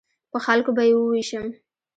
په خلکو به یې ووېشم.